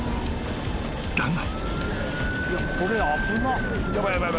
［だが］